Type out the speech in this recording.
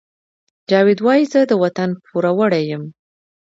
جاوید وایی زه د وطن پوروړی یم